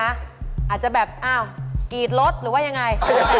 อาจจะแบบอ้าวกรีดรถหรือว่ายังไง